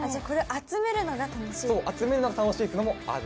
集めるのが楽しいっていうのもある。